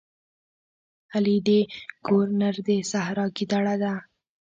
علي د کور نر د سحرا ګیدړه ده.